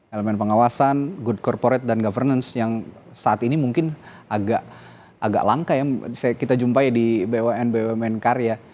elemen pengawasan good corporate dan governance yang saat ini mungkin agak langka ya kita jumpai di bumn bumn karya